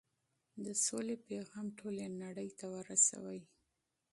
د سولې پيغام ټولې نړۍ ته ورسوئ.